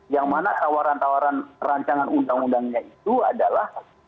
yang mana tawaran tawaran rancangan undang undangnya itu adalah